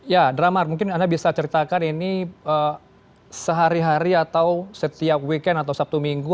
ya dramar mungkin anda bisa ceritakan ini sehari hari atau setiap weekend atau sabtu minggu